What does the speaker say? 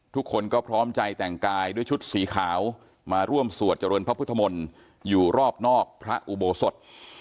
ทุกคนก็พร้อมใจแต่งกายด้วยชุดสีขาวมาร่วมสวดเจริญพระพุทธมนตร์อยู่รอบนอกพระอุโบสถ